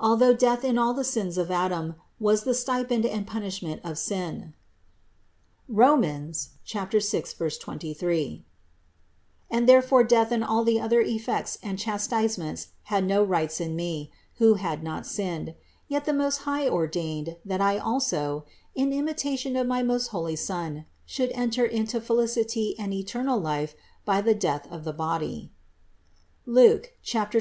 Al though death in all the sons of Adam was the stipend and punishment of sin (Rom. 6, 23), and therefore death and all the other effects and chastisements had no rights in me, who had not sinned; yet the Most High ordained, that I also, in imitation of my most holy Son, should enter into felicity and eternal life by the death of the body (Luke 24, 26).